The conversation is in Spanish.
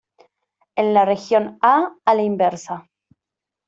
En la región A a la inversa.